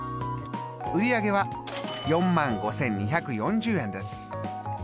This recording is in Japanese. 売り上げは４万５，２４０円です。